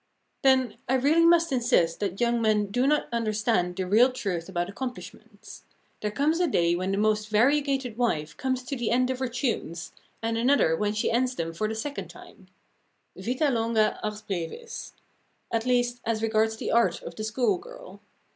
Then, I really must insist that young men do not understand the real truth about accomplishments. There comes a day when the most variegated wife comes to the end of her tunes, and another when she ends them for the second time; Vita longa, ars brevis at least, as regards the art of the schoolgirl.